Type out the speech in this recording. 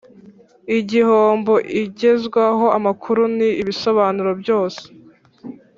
Igihombo igezwaho amakuru n ibisobanuro byose